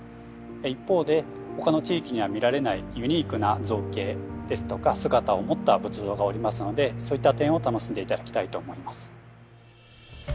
一方で他の地域には見られないユニークな造形ですとか姿を持った仏像がおりますのでそういった点を楽しんで頂きたいと思います。